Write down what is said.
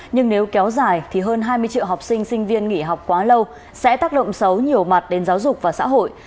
nhưng nếu kéo dài thì hơn hai mươi triệu học sinh sinh viên nghỉ học quá lâu sẽ tác động xấu nhiều mặt đến giáo dục và xã hội